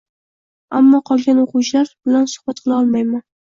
Ammo qolgan oʻquvchilar bilan suhbat qila olmayman.